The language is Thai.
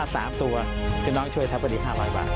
ถ้า๓ตัวพี่น้องช่วยทักพดี๕๐๐บาท